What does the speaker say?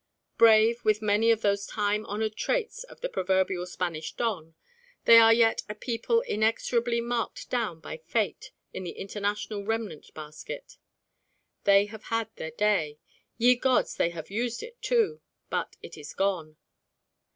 Brave, with many of those time honoured traits of the proverbial Spanish don, they are yet a people inexorably "marked down" by Fate in the international remnant basket. They have had their day. Ye Gods! they have used it, too; but it is gone.